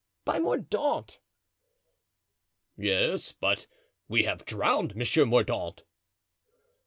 "By Mordaunt." "Yes, but we have drowned Monsieur Mordaunt."